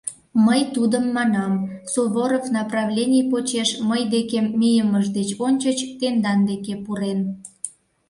— Мый тудым манам: Суворов направлений почеш мый декем мийымыж деч ончыч тендан деке пурен.